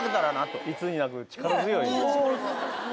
いつになく力強い。